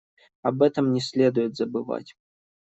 Об этом не следует забывать.